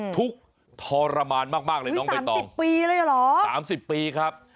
ทุกข์ทรมานมากเลยน้องใบตองปีเลยเหรอ๓๐ปีครับ